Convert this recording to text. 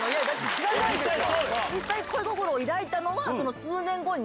知らないでしょ！